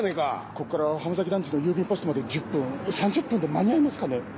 ここから浜崎団地の郵便ポストまで１０分３０分で間に合いますかね？